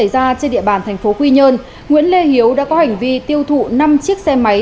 mà trên địa bàn tp quy nhơn nguyễn lê hiếu đã có hành vi tiêu thụ năm chiếc xe máy